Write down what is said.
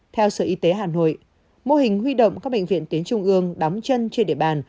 theo sở y tế hà nội mô hình huy động các bệnh viện tuyến trung ương đóng chân trên địa bàn